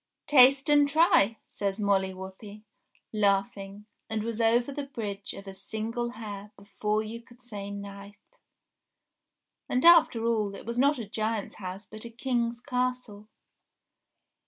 "Taste and try," says Molly Whuppie, laughing, and was over the Bridge of a Single Hair before you could say knife. And, after all, it was not a giant's house but a King's castle.